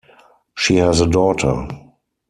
She has a daughter.